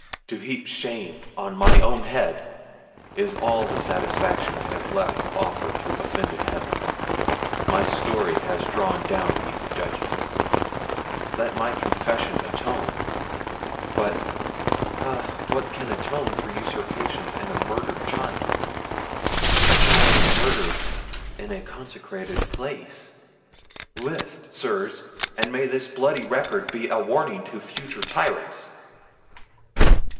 To heap shame on my own head is all the satisfaction I have left to offer to offended heaven. My story has drawn down these judgments: Let my confession atone—but, ah! what can atone for usurpation and a murdered child? a child murdered in a consecrated place? List, sirs, and may this bloody record be a warning to future tyrants!"